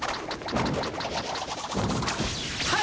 はい！